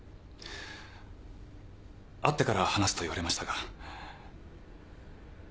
会ってから話すと言われましたが。